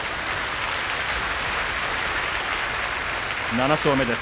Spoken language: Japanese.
７勝目です。